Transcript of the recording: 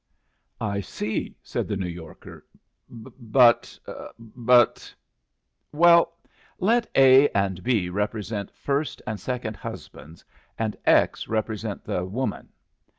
"I see," said the New Yorker. "But but well let A and B represent first and second husbands, and X represent the woman.